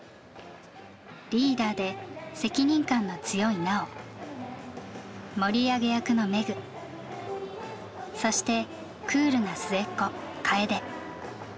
リーダーで責任感の強いＮａｏ☆盛り上げ役のＭｅｇｕそしてクールな末っ子Ｋａｅｄｅ。